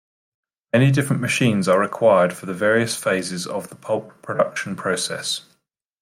Many different machines are required for the various phases of the pulp production process.